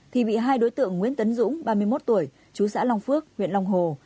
thì bị hai đối tượng nguyễn tấn dũng ba mươi một tuổi chú xã long phước huyện long hồ